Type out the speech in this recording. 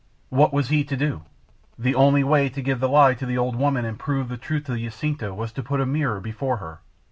What was he to do? The only way to give the lie to the old woman and prove the truth to Jacinta was to put a mirror before her.